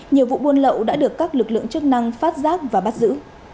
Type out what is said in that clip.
nhiều vụ buôn lậu đã được các lực lượng chức năng phát giác và bắt giữ